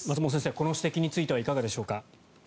この指摘についてはいかがでしょうか。